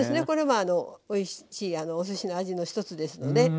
これもおいしいおすしの味の一つですので。